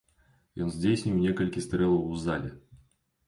Ён здзейсніў некалькі стрэлаў у зале.